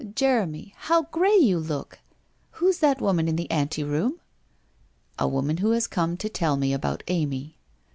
' Jeremy, how grey you look ! Who's that woman in the anteroom ?'' A woman who has come to tell me about Amy.'